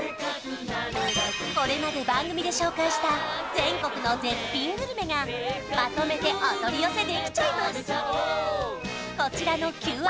これまで番組で紹介した全国の絶品グルメがまとめてお取り寄せできちゃいます